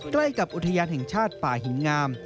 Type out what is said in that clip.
ใกล้กับอุทยานแห่งชาติป่าหินงาม